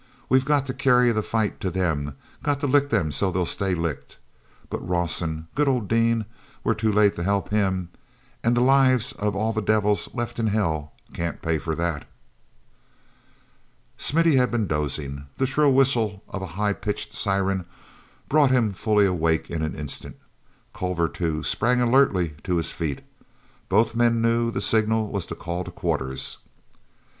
"We've got to carry the fight to them; got to lick 'em so they'll stay licked. But Rawson—good old Dean—we're too late to help him. And the lives of all the devils left in hell can't pay for that." mithy had been dozing. The shrill whistle of a high pitched siren brought him fully awake in an instant. Culver, too, sprang alertly to his feet. Both men knew the signal was the call to quarters.